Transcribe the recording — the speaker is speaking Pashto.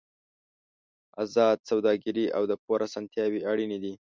ازاده سوداګري او د پور اسانتیاوې اړین دي.